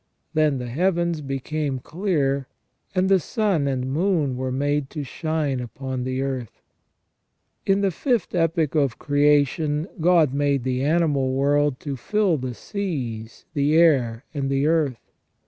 Then the heavens became clear, and the sun and moon were made to shine upon the earth. In the fifth epoch of creation God made the animal world to fill the seas, the air, and the earth.